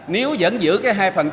nếu vẫn giữ cái hai